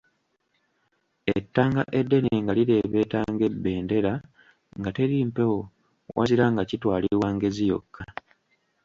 Ettanga eddene nga lireebeeta ng'ebendera; nga teri mpewo wazira nga kitwalibwa ngezi yokka.